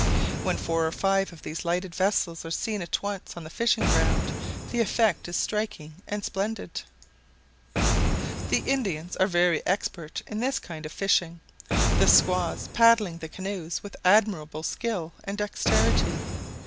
When four or five of these lighted vessels are seen at once on the fishing ground, the effect is striking and splendid. The Indians are very expert in this kind of fishing; the squaws paddling the canoes with admirable skill and dexterity.